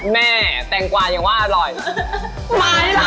นี่แกควานู้นร้อยผ่านนะ